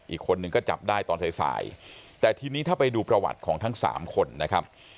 อีกคนนึงก็จับได้ตอนสายสายแต่ทีนี้ถ้าไปดูประวัติของทั้งสามคนนะครับ